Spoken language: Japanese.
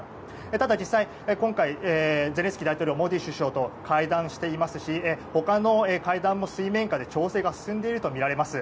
ただ、実際に今回ゼレンスキー大統領はモディ首相と会談していますし他の会談も水面下で調整が進んでいるとみられます。